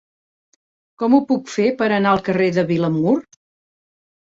Com ho puc fer per anar al carrer de Vilamur?